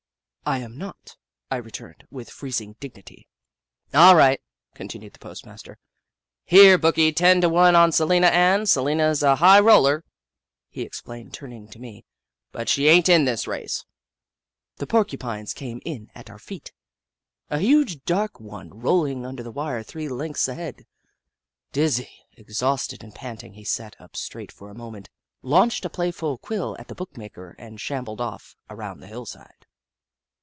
" I am not," I returned, with freezing dig nity. " All right," continued the postmaster. " Here, bookie, ten to one on Salina Ann. Salina 's a high roller," he explained, turning to me, " but she ain't in this race." The Porcupines came in at our feet, a huge 28 The Book of Clever Beasts dark one rolling under the wire three lengths ahead. Dizzy, exhausted, and panting, he sat up straight for a moment, launched a playful quill at the bookmaker, and shambled off around the hillside.